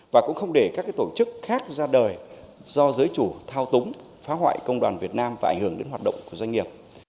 và cũng không để các tổ chức khác ra đời không vì lợi ích bảo vệ người lao động mà vì những động cơ chính trị chống phá nước ta